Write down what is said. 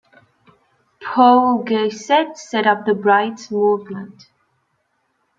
Paul Geisert set up the Brights movement.